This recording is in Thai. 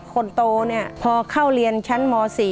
คนโตเนี่ยพอเข้าเรียนชั้นม๔